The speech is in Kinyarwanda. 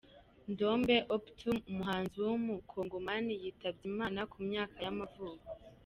Ndombe Opetum, umuhanzi w’umukongomani yitabye Imana, ku myaka y’amavuko.